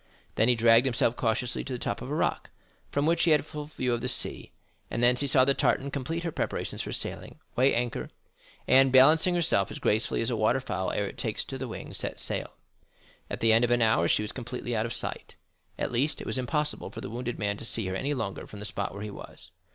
Then he dragged himself cautiously to the top of a rock, from which he had a full view of the sea, and thence he saw the tartan complete her preparations for sailing, weigh anchor, and, balancing herself as gracefully as a water fowl ere it takes to the wing, set sail. At the end of an hour she was completely out of sight; at least, it was impossible for the wounded man to see her any longer from the spot where he was.